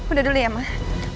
udah dulu ya mah